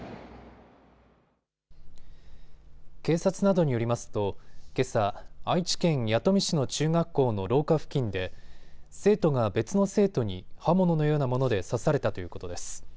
警察などによりますとけさ、愛知県弥富市の中学校の廊下付近で生徒が別の生徒に刃物のようなもので刺されたということです。